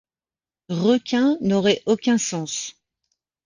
Requins n’aurait aucun sens.